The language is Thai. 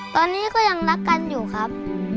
ตอนนี้ก็ยังรักกันอยู่ครับ